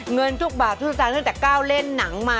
เงินทุกบาททุกสตางค์ตั้งแต่ก้าวเล่นหนังมา